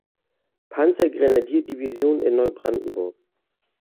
Panzergrenadierdivision in Neubrandenburg.